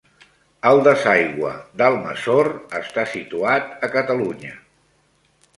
El desaigüe d'Almassor està situat a Catalunya.